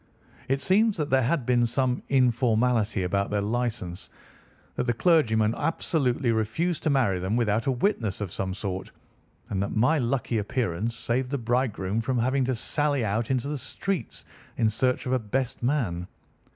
It seems that there had been some informality about their license, that the clergyman absolutely refused to marry them without a witness of some sort, and that my lucky appearance saved the bridegroom from having to sally out into the streets in search of a best man.